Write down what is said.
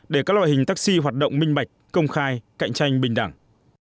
để các loại hình taxi hoạt động minh bạch công khai cạnh tranh bình đẳng